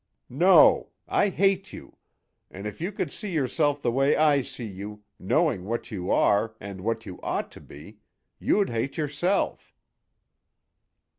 "No. I hate you! An' if you could see yourself the way I see you knowing what you are, and what you ought to be you'd hate yourself!"